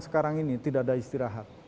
sekarang ini tidak ada istirahat